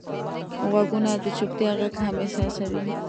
غوږونه د چوپتیا غږ هم احساسوي